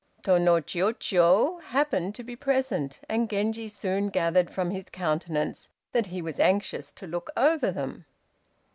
Tô no Chiûjiô happened to be present, and Genji soon gathered from his countenance that he was anxious to look over them.